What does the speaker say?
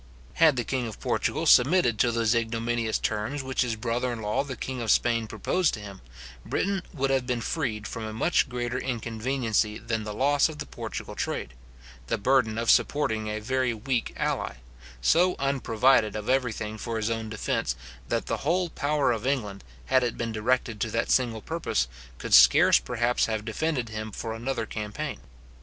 Had the king of Portugal submitted to those ignominious terms which his brother in law the king of Spain proposed to him, Britain would have been freed from a much greater inconveniency than the loss of the Portugal trade, the burden of supporting a very weak ally, so unprovided of every thing for his own defence, that the whole power of England, had it been directed to that single purpose, could scarce, perhaps, have defended him for another campaign.